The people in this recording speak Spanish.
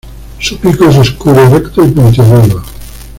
Su pico es oscuro, recto y puntiagudo.